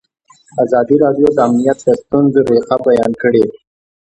ازادي راډیو د امنیت د ستونزو رېښه بیان کړې.